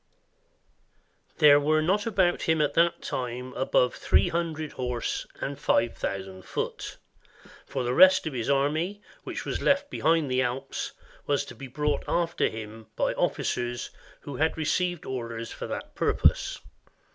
] There were not about him at that time above three hundred horse, and five thousand foot; for the rest of his army, which was left behind the Alps, was to be brought after him by officers who had received orders for that purpose.